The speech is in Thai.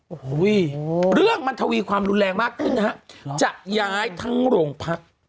โอ้โหเรื่องมันทวีความรุนแรงมากขึ้นนะฮะจะย้ายทั้งโรงพัก